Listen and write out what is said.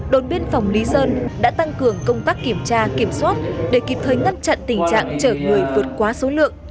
đồn biên phòng lý sơn đã tăng cường công tác kiểm tra kiểm soát để kịp thời ngăn chặn tình trạng chở người vượt quá số lượng